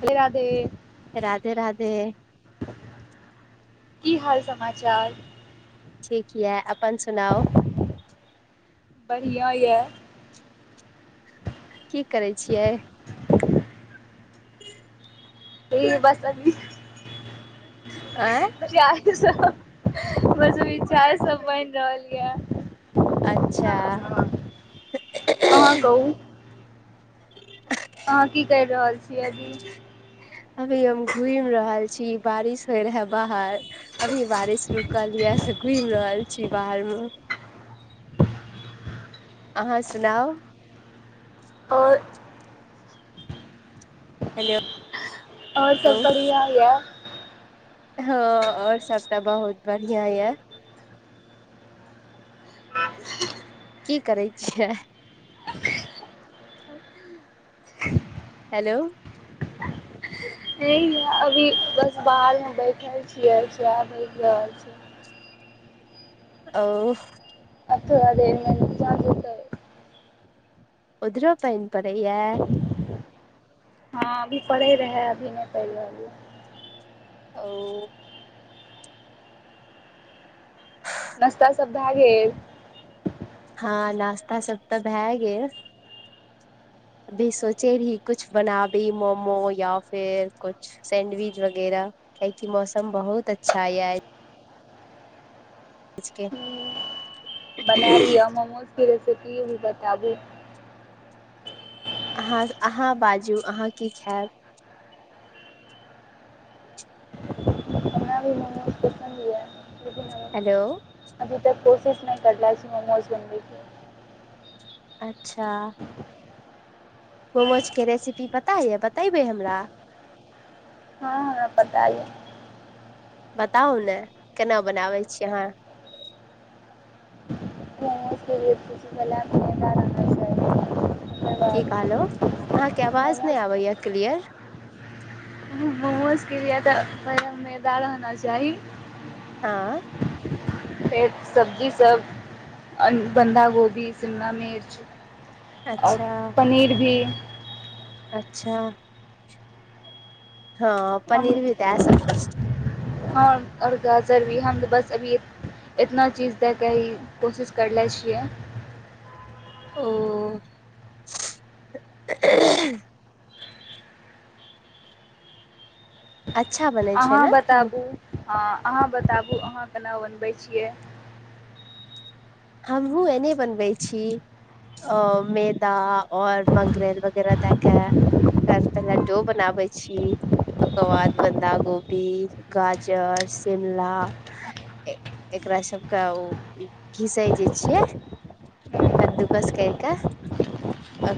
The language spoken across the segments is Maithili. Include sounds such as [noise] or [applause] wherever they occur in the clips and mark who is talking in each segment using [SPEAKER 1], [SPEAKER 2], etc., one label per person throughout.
[SPEAKER 1] श्री राधे
[SPEAKER 2] राधे-राधे
[SPEAKER 1] की हाल समाचार
[SPEAKER 2] ठीक यऽ अपन सुनाउ
[SPEAKER 1] बढ़िया या।
[SPEAKER 2] की करै छियै [inaudible] आँय
[SPEAKER 1] [unintelligible] बस विचार सब बनि रहल यऽ बनी
[SPEAKER 2] अच्छा।
[SPEAKER 1] अहाँ कहू। अहाँ की कैर रहल छियै अदी।
[SPEAKER 2] अभी हम घुमि रहल छी बारिश होय रहे बाहर। अभी बारिश रुकल यऽ घुमि रहल छी बाहर मे। अहाँ सुनाउ।
[SPEAKER 1] आओर।
[SPEAKER 2] [unintelligible]
[SPEAKER 1] ओर सब बढ़िया यऽ।
[SPEAKER 2] हँ और सभतऽ बहुत बढ़ििया य।
[SPEAKER 1] [inaudible]
[SPEAKER 2] की करै छियै।
[SPEAKER 1] अ। [inaudible]
[SPEAKER 2] हेलो।
[SPEAKER 1] हे य अभी बस बाहर मे बैठल छियै सह बठ रहल छै।
[SPEAKER 2] ओ।
[SPEAKER 1] अ त अदे मतै। [unintelligible]
[SPEAKER 2] उधरो पयन पड़य या।
[SPEAKER 1] हँ अभी पढ़े रहै अभी नहि पड़ रहल या।
[SPEAKER 2] ओ।
[SPEAKER 1] नाश्ता सब भए गेल।
[SPEAKER 2] हँ नाश्ता सब त भए गेल। अभी सोचे रही कुछ बना भी मोमो या फिर कुछ। सैंडविच वगैरहा किया कि मौसम बहुत अच्छा य। आजके।
[SPEAKER 1] बनाय लिअ मोमोजके रेसिपी भी बताबु।
[SPEAKER 2] अहाँ अहाँ बाजू अहाँ की खायब।
[SPEAKER 1] हम भी म।
[SPEAKER 2] हेलो।
[SPEAKER 1] अभी तक कोशिश नहि करले छी मोमोज बनबैके।
[SPEAKER 2] अच्छा। मोमोज के रेसिपी पता यऽ बतेबै हमरा।
[SPEAKER 1] हँ हमरा पता यै।
[SPEAKER 2] बताउ ने केना बनाबै छी अहाँ?
[SPEAKER 1] [inaudible]
[SPEAKER 2] की
[SPEAKER 1] बाद
[SPEAKER 2] कहलो अहाँके आवाज
[SPEAKER 1] मोमोज
[SPEAKER 2] नै आबैया क्लियर।
[SPEAKER 1] मोमोज के लिये तऽ पहिले मैदा रहना चाही।
[SPEAKER 2] हां।
[SPEAKER 1] फेर सब्जी सब बन्धा गोभी शिमला मिर्च। और
[SPEAKER 2] अच्छा
[SPEAKER 1] पनीर भी।
[SPEAKER 2] अच्छा! हँ पनीर भी दै सकै छी।
[SPEAKER 1] हं और गाजर भी हम बस अभियै एतना चीज दएके ही कोशिश करले छियै।
[SPEAKER 2] ओ। अच्छा बनै छै
[SPEAKER 1] अहाँ
[SPEAKER 2] ने
[SPEAKER 1] बताबु अहाँ बताबु अहाँ केना बनबै छियै।
[SPEAKER 2] हमहुँ एने बनबै छी। अ मैदा और मंगरैल वगैरह देअके। ओकर पहिले डो बनाबै छी। ओकर बाद बन्धा गोभी, गाजर, शिमला। एकरा- एकरा सबके ओ घिसै जे छियै। कद्दूकस कैर कऽ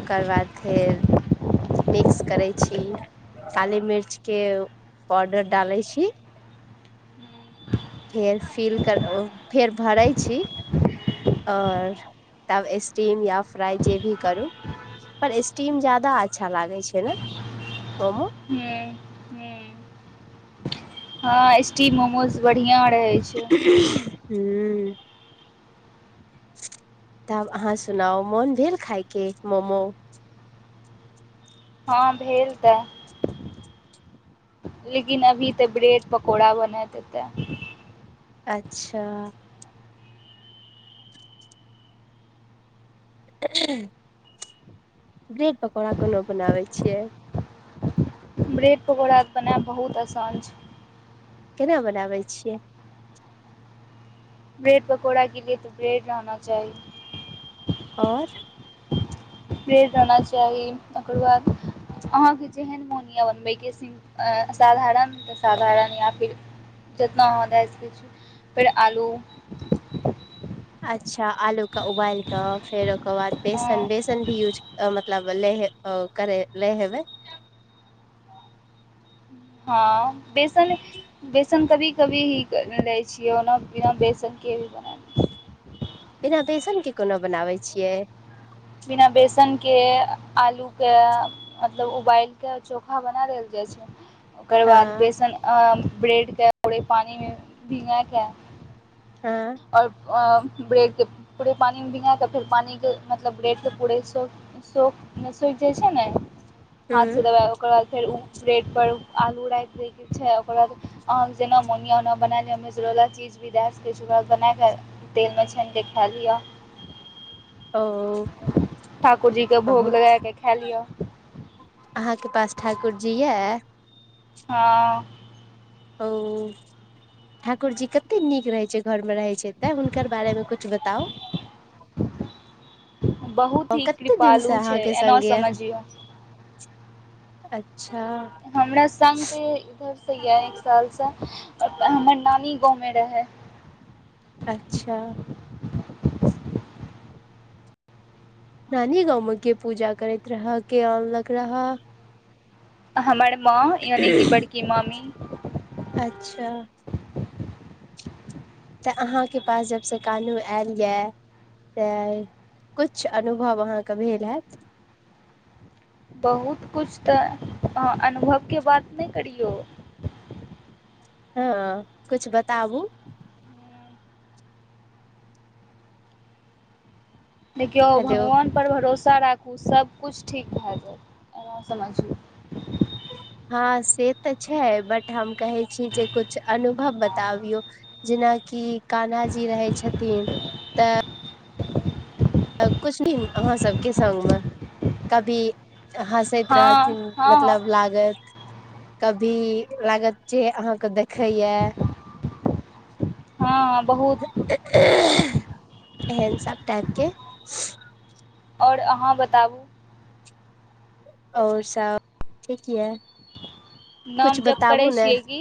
[SPEAKER 2] ओकर बाद फेर। मिक्स करैत छी, काली मिर्चके पाडर डालैत छी। फेर सिर करे ओ फेर भरै छी। और तब स्टीम या फ्राइ जे भी करू। पर स्टीम ज्यादा अच्छा लागे छै ने मोमो।
[SPEAKER 1] हूं -हूं। हँ स्टीम मोमोज बढ़िया रहे।
[SPEAKER 2] हूं। तब अहाँ सुनाउ मोन भेल खायके मोमो।
[SPEAKER 1] हँ भेल तऽ। लेकिन अभी तऽ ब्रेड पकौड़ा बनेत हेतै।
[SPEAKER 2] अच्छा। ब्रेड पकौड़ा कोनो बनाबै छियै।
[SPEAKER 1] ब्रेड पकौड़ा बनाएब बहुत आसान छै।
[SPEAKER 2] केना बनाबै छियै।
[SPEAKER 1] ब्रेड पकौड़ा के लिए तऽ ब्रेड रहना चाही।
[SPEAKER 2] और।
[SPEAKER 1] ओकर बाद अहाँके जेहन मोन य बनबै के सिं साधारण तऽ साधारण या फिर जितना अहाँ दए सकै छी। फेर आलू।
[SPEAKER 2] अच्छा आलू कऽ उबाल कऽ फेर ओकर बाद बेसन बेसन भी यूज म तलब लेे करे ले हेबै।
[SPEAKER 1] हँ बेसन। बेसन कभी- कभी ही लै छियै, ओना बिना बेसनके भी बना। छियै
[SPEAKER 2] बिना बेसन के कोना बनाबै छियै।
[SPEAKER 1] बिना बेसन के आलू के मतलब उबाएल कऽ चोखा बना लेल जाय छै। ओकर
[SPEAKER 2] हँ
[SPEAKER 1] बाद बेसन अ ब्रेड के पूरे पानी मे भींगाय के
[SPEAKER 2] हां।
[SPEAKER 1] और अ ब्रेड के पूरे पानी मे भिंगा के फेर पानी के मतलब ब्रेड के पूरे सो सोक नै सुख जाय छै ने हाथ से
[SPEAKER 2] हूँ
[SPEAKER 1] दबाए ओकर बाद फेर उ ब्रेड पर आलू राएख दै के छै, ओकर बाद अहाँ के जेना मोन या ओना बना लियौ, मैजरोला चीज भी दा सकै छिये, ओकर बाद बना के तेल मे छैन के खाय लियौ।
[SPEAKER 2] औ।
[SPEAKER 1] ठाकुर जी के भोग लगा के खाय लियौ।
[SPEAKER 2] अहाँ के पास ठाकुर जी या।
[SPEAKER 1] हां।
[SPEAKER 2] औ ठाकुर जी कते नीक रहै छै। घर मे रहे छै ते हुनकर बारे मे कुछ बताउ।
[SPEAKER 1] बहुत
[SPEAKER 2] औ
[SPEAKER 1] ही
[SPEAKER 2] कते दिन से
[SPEAKER 1] कृपालु
[SPEAKER 2] अहाँ
[SPEAKER 1] छै
[SPEAKER 2] के
[SPEAKER 1] एना
[SPEAKER 2] संग या,
[SPEAKER 1] समझियौ
[SPEAKER 2] अच्छा।
[SPEAKER 1] हमरा संग ते इधर से या एक साल से ओता हमर नानी गाँव मे रहै।
[SPEAKER 2] अच्छा। नानी गाँव मे के पूजा करैत रहऽ के आनलक रहऽ।
[SPEAKER 1] हमर माँ यानि कि बड़की मामी।
[SPEAKER 2] अच्छा। तऽ अहाँके पास जबसे कान्हु आएल या। तै कुछ अनुभव अहाँके भेल हाएत।
[SPEAKER 1] बहुत कुछ तऽ अहाँ अनुभव के बात नै करियौ।
[SPEAKER 2] हां कुछ बताबु।
[SPEAKER 1] देखियौ
[SPEAKER 2] हेलो
[SPEAKER 1] भगवान पर भरोसा राखु सब कुछ ठीक भाए जाएत एना समझयौ।
[SPEAKER 2] हां से तऽ छै बट हम कहै छी जे कुछ अनुभव बताबियौ। जेना कि कान्हा जी रहै छथिन। अ कुछ भी अहाँ सबके संग मे कभी ह सैत
[SPEAKER 1] हँ
[SPEAKER 2] रहथिन
[SPEAKER 1] हँ हँ
[SPEAKER 2] मतलब लागत। कभी लागत जे अहाँके देखैया।
[SPEAKER 1] हां बहुत।
[SPEAKER 2] एहन सब टाइप के।
[SPEAKER 1] और अहाँ बताबु।
[SPEAKER 2] और सब ठीक या।
[SPEAKER 1] नाम जप करै छियै की।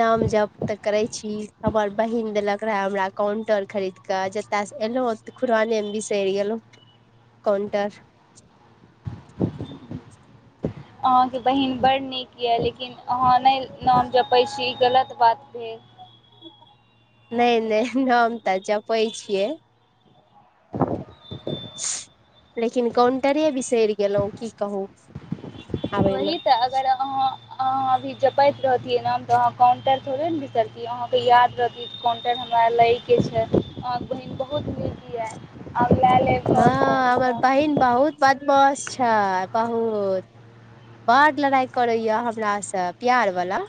[SPEAKER 2] नाम जप तऽ करै छी, हमर बहिन देलक रहाए हमरा कॉन्टर खरीद के ज ओता से एलौ ते खुराने मे बिसैर गेलौ कॉनटर।
[SPEAKER 1] अहाँ के बहिन बड़ नीक यऽ लेकिन अहाँ नै नाम जपै छी ई गलत बात भेल।
[SPEAKER 2] नै-नै नाम तऽ जपै छियै।
[SPEAKER 1] [inaudible]
[SPEAKER 2] लेकिन कॉनटरे बिसैर गेलौ की कहु।
[SPEAKER 1] वही तऽ अगर अहाँ अहाँ अभी जपैत रहतियै नाम तऽ अहाँ कॉन्टर थोड़े नै बिसरतियै अहाँ के याद रहतिये कॉन्टर हमरा लै कि छै बहिन बहुत नीक य आ ल ले।
[SPEAKER 2] हँ हमर बहिन बहुत बदमाास छै बहुत। बडड़ लड़ाइ करैया हमरास से प्यार वाला।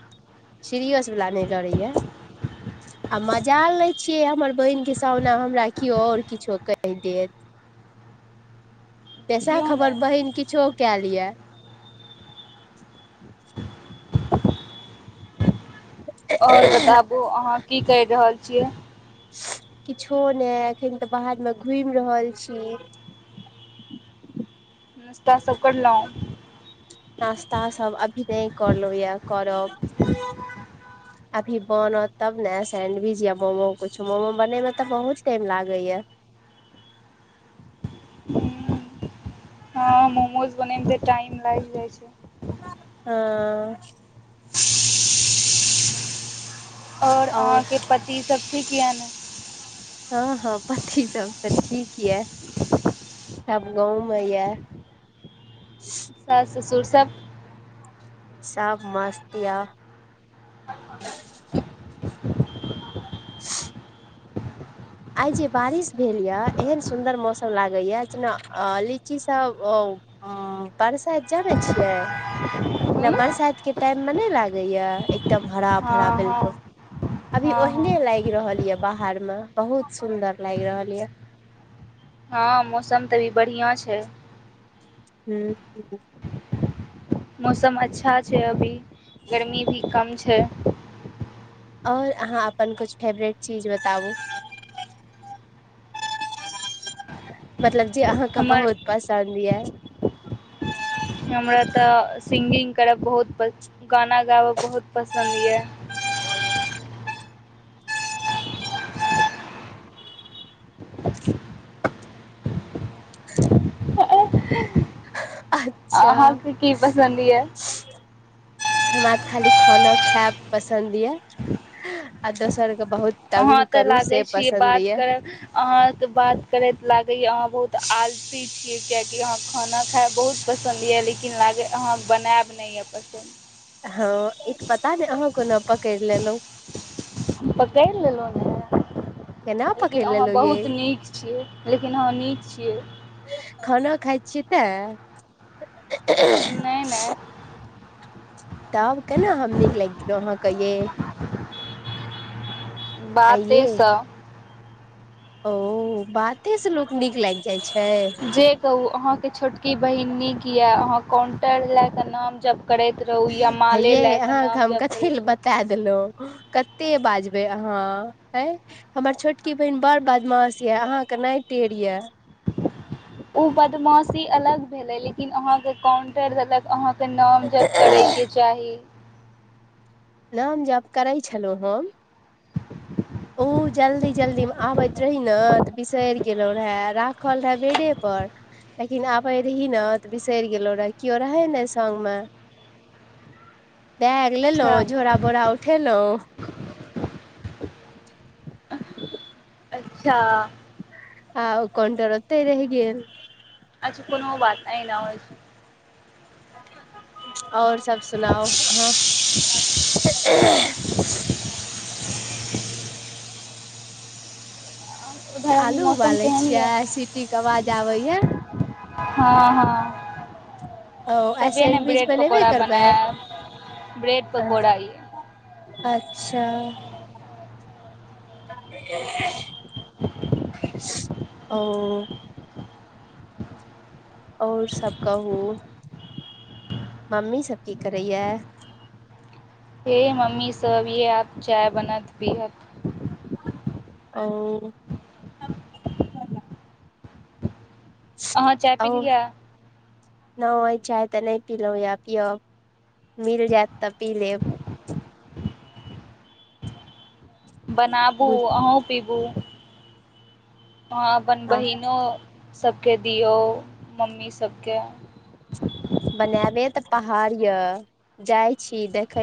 [SPEAKER 2] सीरियोस वला नहि लड़ैया। आ मजाल लै छियै हमर बहिनके सामना हमरा केओ आओर किछो कहि देत। पैसा
[SPEAKER 1] बुझियौ
[SPEAKER 2] खबर
[SPEAKER 1] ने
[SPEAKER 2] बहिन किछो कय लए [unintelligible]
[SPEAKER 1] ओर बताबु अहाँ की कर रहल छियै?
[SPEAKER 2] किछो नहि एखन तऽ बाहर मे घुमि रहल छी।
[SPEAKER 1] नाश्ता सब करलहुॅं?
[SPEAKER 2] नाास्ता सब अभी नहि करलहु यए करब [unintelligible]
[SPEAKER 1] आ।
[SPEAKER 2] अभी बनत तब ने सैंडविच या मोमो कुछु मोमो बनेय में तऽ बहुत टाइम लागे या।
[SPEAKER 1] ह मोमोज बनेमे त टाइम लाग जाइ छै।
[SPEAKER 2] हँ।
[SPEAKER 1] [unintelligible] और अहाँ के पति सब ठीक य ने?
[SPEAKER 2] हँ हँ पति सब तऽ ठीक या। आब गाँवमे यए।
[SPEAKER 1] सास ससुर सब?
[SPEAKER 2] सब मस्त य। ह। आइ जे बारिश भेल यए एहन सुन्दर मौसम लागैएा जेना आ लीची सब। ह बरसायत जाने छियै। ना बरसाात के टाइम मे नहि लागे या एक एकदम हरा भरा
[SPEAKER 1] हँ
[SPEAKER 2] बिलकुश
[SPEAKER 1] हँ
[SPEAKER 2] अभी
[SPEAKER 1] हँ हँ
[SPEAKER 2] ओहिने लागि रहल ये बाहर मे। बहुत सुंदर लागि रहल ये।
[SPEAKER 1] हँ मौसम तऽ अभी बढ़िआँ छै।
[SPEAKER 2] हू ह।
[SPEAKER 1] मौसम अच्छा छै अभी गर्मी भी कम छै।
[SPEAKER 2] आऔर अहा अपन कुछु फेवरेट चीज बताबू? मतलब जे अहाके
[SPEAKER 1] हमर
[SPEAKER 2] बहुत पसन्द य।
[SPEAKER 1] हमरा त सिंगिंग करय बहुत गाना गाब बहुत पसन्द य।
[SPEAKER 2] ह।
[SPEAKER 1] आ हा क की पसन्द ह य?
[SPEAKER 2] हमरा खाली खाना खायएब पसन्द यए। अ द सरके बहुत
[SPEAKER 1] अहा त
[SPEAKER 2] करू
[SPEAKER 1] लागे
[SPEAKER 2] से
[SPEAKER 1] छीयै
[SPEAKER 2] पसन्द
[SPEAKER 1] बात
[SPEAKER 2] ये
[SPEAKER 1] करब अहाके बात करैत लागैए अहा बहुत आ खुशी छियै कियाकि अहाँके खाना खायब बहुत पसन्द य लेकिन लाग अहा बनायब नहि य पसन्द।
[SPEAKER 2] ह ई त पता नहि अहाँ कोना पकड़ि लेलहु।
[SPEAKER 1] प क ललो ने।
[SPEAKER 2] केना
[SPEAKER 1] लेकिन
[SPEAKER 2] पकड़ि
[SPEAKER 1] अहाँ
[SPEAKER 2] लेलहु ये
[SPEAKER 1] बहुत नीक छियै लेकिन अहाँ नीक छियै।
[SPEAKER 2] खाना खा छीय त [unintelligible]
[SPEAKER 1] नहि नहि।
[SPEAKER 2] तब केना हम नीक लागि गेलहुं अहांके ये। आइये
[SPEAKER 1] बाते सँ।
[SPEAKER 2] ओ बाते से लोक नीक लागि जाय छैय।
[SPEAKER 1] जे कहू अहाँके छोटकी बहिन नीक य अहा काउण्टर लए कऽ नाम जब करैत रहौ या
[SPEAKER 2] हे
[SPEAKER 1] माले
[SPEAKER 2] ये
[SPEAKER 1] लए क
[SPEAKER 2] अहाँके
[SPEAKER 1] नाम
[SPEAKER 2] हम कथी ले
[SPEAKER 1] जपरैत रहु।
[SPEAKER 2] बता देलहुँ कते बाजबै अहाँ हैं। हमर छोटकी बहिन बड़ बदमास यए अहाँके नहि टेर यए।
[SPEAKER 1] ओ बदमाशी अलग भेलै लेकिन अहाँके काउंटर देलक अहाँ तऽ नाम जब करय के चाही।
[SPEAKER 2] नाम जप करै छलहुँ हम। ओ जल्दी जल्दीमे आबैत रही ने तऽ बिसरि गेलहु रहे राखल रहे बेडे पर। लेकिन आबे रहि ने तऽ बिसरि गेलो रह केओ रहे ने संग मे। बैग
[SPEAKER 1] अच्छा
[SPEAKER 2] लेलहुँ झोरा बोरा उठेलहुँ।
[SPEAKER 1] अच्छा।
[SPEAKER 2] आ ओ काउंटर ओतै रह गेल।
[SPEAKER 1] अच्छ कोनो बात नहि एहना होइ छैय।
[SPEAKER 2] आओर सब सुनाउ हं।
[SPEAKER 1] उधर अभी
[SPEAKER 2] आलू
[SPEAKER 1] मौसम
[SPEAKER 2] उबाले
[SPEAKER 1] केहन ये?
[SPEAKER 2] छियै सीटी के आवाज आबे या
[SPEAKER 1] हँ हँ।
[SPEAKER 2] ओ आइ
[SPEAKER 1] तबे ने
[SPEAKER 2] सैंडविच
[SPEAKER 1] ब्रेड
[SPEAKER 2] बनेबे
[SPEAKER 1] पकौड़ा
[SPEAKER 2] करबै
[SPEAKER 1] बनायब ब्रेड पकौड़ा ये।
[SPEAKER 2] अच्छा [unintelligible] ओ। और सब कहू मम्मी सब की करैया।
[SPEAKER 1] हे मम्मी सब ये आब चाय बनात पीयत।
[SPEAKER 2] ओ।
[SPEAKER 1] अहाँ चाय पी
[SPEAKER 2] ओ
[SPEAKER 1] लिये।
[SPEAKER 2] नहि होइ चाहे त नहि पिलोहुँ यए पियब मिल जायत त पी लेब।
[SPEAKER 1] बनाबू
[SPEAKER 2] बुझ
[SPEAKER 1] अहू पीबू वहाँ अपन
[SPEAKER 2] हँ,
[SPEAKER 1] बहिनो सभके दिऔ मम्मी सबके।
[SPEAKER 2] बनाबे तऽ पहाड़ ये जाय छी देखे छी।